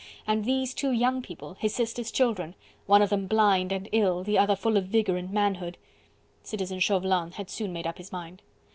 and these two young people! his sister's children! one of them blind and ill, the other full of vigour and manhood. Citizen Chauvelin had soon made up his mind.